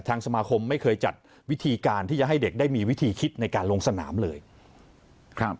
สมาคมไม่เคยจัดวิธีการที่จะให้เด็กได้มีวิธีคิดในการลงสนามเลยครับ